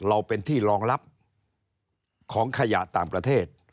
เราเป็นที่รองรับของขยะต่างประเทศ